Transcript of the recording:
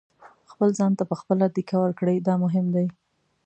خپل ځان ته په خپله دېکه ورکړئ دا مهم دی.